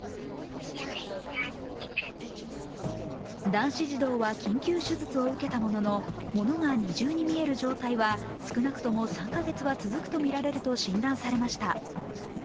男子児童は緊急手術を受けたもののものが二重に見える状態は少なくとも３カ月は続くとみられると診断されました。